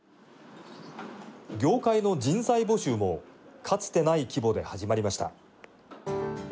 業界の人材募集もかつてない規模で始まりました。